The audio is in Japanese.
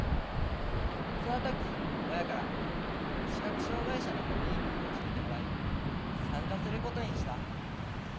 その時親から視覚障害者のコミュニティーを教えてもらい参加することにした。